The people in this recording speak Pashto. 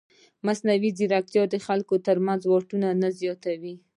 ایا مصنوعي ځیرکتیا د خلکو ترمنځ واټن نه زیاتوي؟